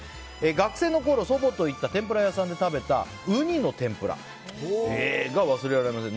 学生のころ、祖母と行った天ぷら屋さんで食べたウニの天ぷらが忘れられません。